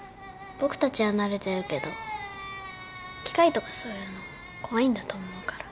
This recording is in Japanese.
僕たちは慣れてるけど機械とかそういうの怖いんだと思うから。